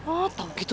oh tau gitu